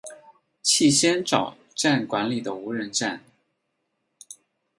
气仙沼站管理的无人站。